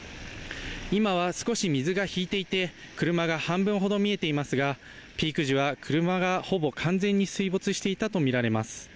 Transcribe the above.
今は少し水が引いていて、車が半分ほど見えていますが、ピーク時は車がほぼ完全に水没していたとみられます。